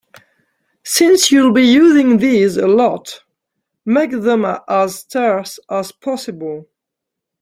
Since you'll be using these a lot, make them as terse as possible.